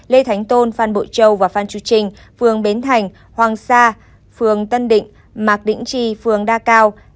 lê thánh tôn phan bội châu và phan chu trinh phường bến thành hoàng sa phường tân định mạc đĩnh tri phường đa cao